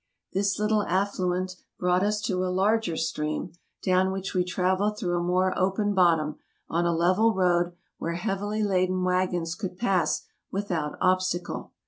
This little affluent brought us to a larger stream, down which we traveled through a more open bottom, on a level road, where heavily laden wagons could pass without ob stacle.